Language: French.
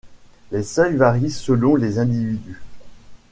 Les seuils varient selon les individus.